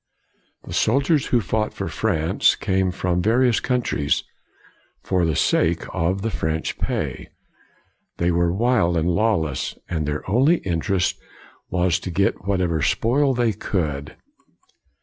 The soldiers who fought for France 148 COLIGNY came from various countries for the sake of the French pay. They were wild and lawless, and their only interest was to get whatever spoil they could.